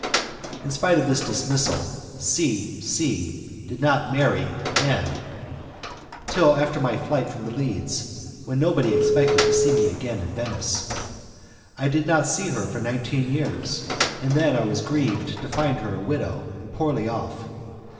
In spite of this dismissal C C did not marry N till after my flight from The Leads, when nobody expected to see me again in Venice. I did not see her for nineteen years, and then I was grieved to find her a widow, and poorly off.